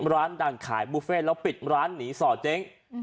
ร้านดังขายบุฟเฟ่แล้วปิดร้านหนีส่อเจ๊ง